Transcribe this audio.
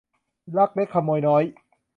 ลักเล็กขโมยน้อย